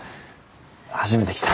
初めて着た。